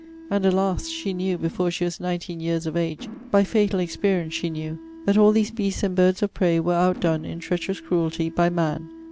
And, alas! she knew, before she was nineteen years of age, by fatal experience she knew! that all these beasts and birds of prey were outdone, in treacherous cruelty, by MAN!